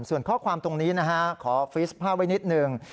ส่วนข้อความตรงนี้นะฮะขอฟีสภาพไว้นิดหนึ่ง